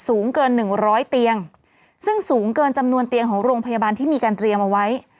สูงเกินหนึ่งร้อยเตียงซึ่งสูงเกินจำนวนเตียงของโรงพยาบาลที่มีการเตรียมเอาไว้